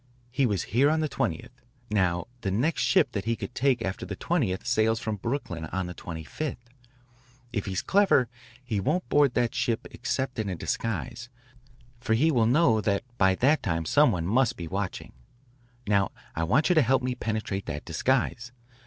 He was here on the 20th. Now the next ship that he could take after the 20th sails from Brooklyn on the 25th. If he's clever he won't board that ship except in a disguise, for he will know that by that time some one must be watching. Now I want you to help me penetrate that disguise.